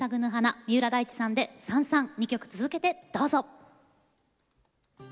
三浦大知さんで「燦燦」２曲続けてどうぞ。